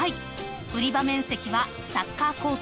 ［売り場面積はサッカーコート